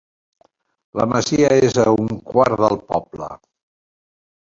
La masia és a un quart del poble.